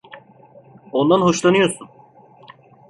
Ondan hoşlanıyorsun.